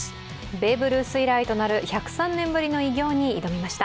ベーブ・ルース以来となる１０３年ぶりの偉業に挑みました。